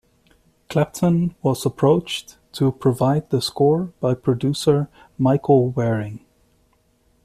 Clapton was approached to provide the score by producer Michael Wearing.